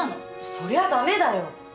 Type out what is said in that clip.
そりゃダメだよ。